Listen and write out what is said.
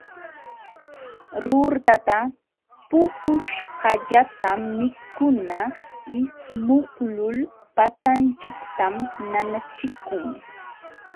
Ruurtata puquśhqallatam mikuna ismuqlul patanchiktam nanachikun.